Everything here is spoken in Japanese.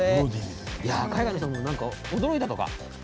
海外の人も驚いたとか。